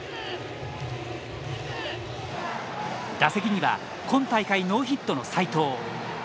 打席には今大会ノーヒットの斎藤。